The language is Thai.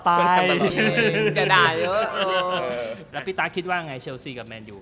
พี่ตาคิดว่าไงเชลซีกับแมนยู